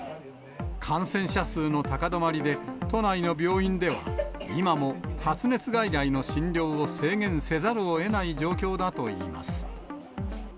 感染者数の高止まりで、都内の病院では、今も発熱外来の診療を制限せざるをえない状況だといいます。